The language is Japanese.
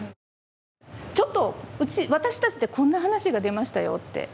ちょっと私たちってこんな話が出ましたよって。